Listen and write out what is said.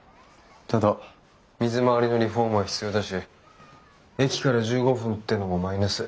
ただ水回りのリフォームは必要だし駅から１５分ってのもマイナス。